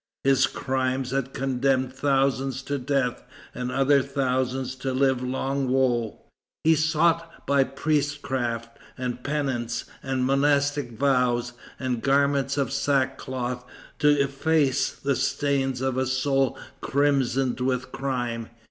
His crimes had condemned thousands to death and other thousands to live long woe. He sought by priestcraft, and penances, and monastic vows, and garments of sackcloth, to efface the stains of a soul crimsoned with crime.